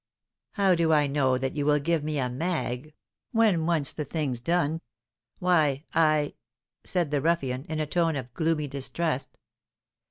"How do I know that you will give me a 'mag' when once the thing's done? Why! I" said the ruffian, in a tone of gloomy distrust.